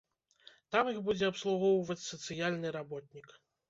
Там іх будзе абслугоўваць сацыяльны работнік.